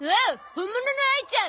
本物のあいちゃん。